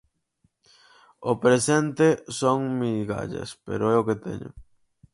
O presente son migallas, pero é o que teño.